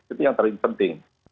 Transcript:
itu yang paling penting